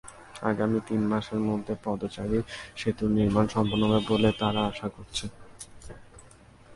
আগামী তিন মাসের মধ্যে পদচারী-সেতুর নির্মাণ সম্পন্ন হবে বলে তাঁরা আশা করছেন।